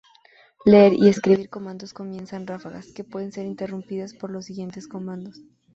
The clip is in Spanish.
Leer y escribir comandos comienzan ráfagas, que puede ser interrumpida por los siguientes comandos.